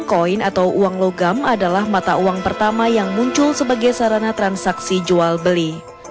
koin atau uang logam adalah mata uang pertama yang muncul sebagai sarana transaksi jual beli